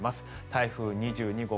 台風２２号